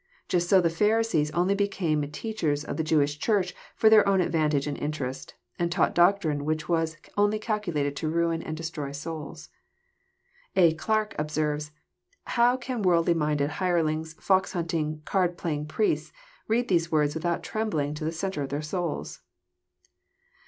Just so the Pharisees only became teachers of the Jewish Church for their own advantage and interest, and taught doctrine which was only calculated to ruin and destroy souls. A. Clarke observes :" How can worldly minded hirelings, fox hunting, card playing priests, read these words without trembling to the centre of their souls?"